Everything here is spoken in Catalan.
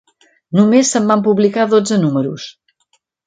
Només se'n van publicar dotze números.